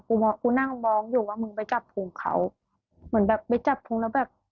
กูนั่งมองอยู่ว่ามึงไปจับพุงเขาเหมือนแบบไปจับพุงแล้วแบบ